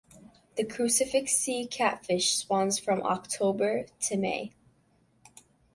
The crucifix sea catfish spawns from October–May.